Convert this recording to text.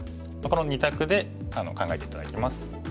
この２択で考えて頂きます。